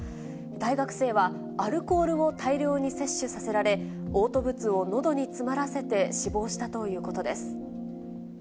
大学生は、アルコールを大量に摂取させられ、おう吐物をのどに詰まらせて死亡したということです。